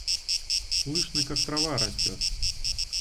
Слышно как трава растет.